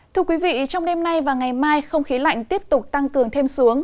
thưa quý vị trong đêm nay và ngày mai không khí lạnh tiếp tục tăng cường thêm xuống